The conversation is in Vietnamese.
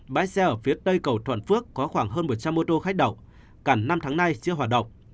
bãi xe ở phía tây cầu thuận phước có khoảng hơn một trăm linh ô tô khách đậu cả năm tháng nay chưa hoạt động